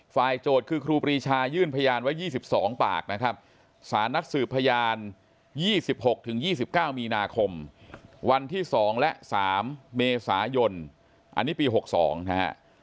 โจทย์คือครูปรีชายื่นพยานไว้๒๒ปากนะครับสารนัดสืบพยาน๒๖๒๙มีนาคมวันที่๒และ๓เมษายนอันนี้ปี๖๒นะฮะ